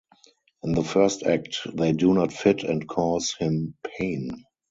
In the first act, they do not fit and cause him pain.